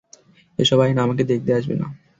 এসব আইন আমাকে দেখাতে আসবে না।